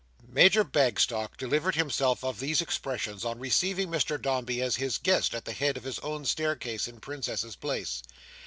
Major Bagstock delivered himself of these expressions on receiving Mr Dombey as his guest at the head of his own staircase in Princess's Place.